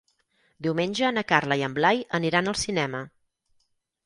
Diumenge na Carla i en Blai aniran al cinema.